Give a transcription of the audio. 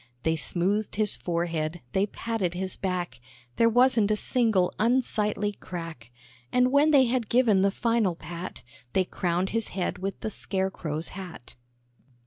They smoothed his forehead, they patted his back, There wasn't a single unsightly crack; And when they had given the final pat, They crowned his head with the scare crow's hat.